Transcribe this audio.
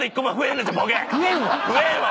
増えんわ！